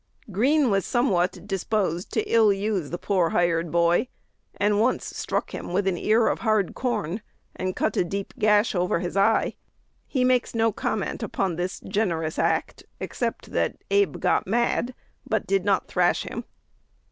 Green was somewhat disposed to ill use the poor hired boy, and once struck him with an ear of hard corn, and cut a deep gash over his eye. He makes no comment upon this generous act, except that "Abe got mad," but did not thrash him.